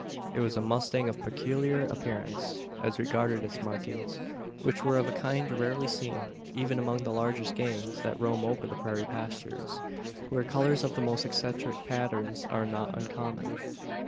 It was a mustang of peculiar appearance, as regarded its markings; which were of a kind rarely seen even among the largest "gangs" that roam over the prairie pastures, where colours of the most eccentric patterns are not uncommon.